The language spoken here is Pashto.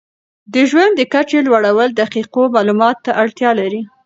د ژوند د کچې لوړول دقیقو معلوماتو ته اړتیا لري.